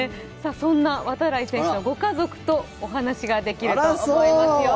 そんな度会選手のご家族とお話ができるということですよ。